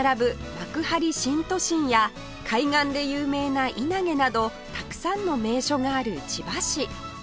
幕張新都心や海岸で有名な稲毛などたくさんの名所がある千葉市